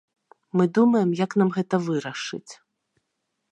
Мы думаем, як нам гэта вырашыць.